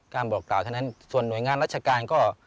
การบอกกล่าวอะไรทั้งนั้นส่วนหน่วยงานราชการก็